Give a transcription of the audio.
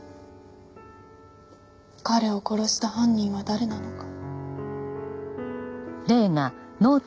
彼を殺した犯人は誰なのか？